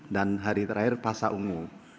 dan hari terakhir pak saungu